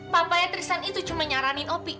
papanya tristan itu cuma nyaranin opi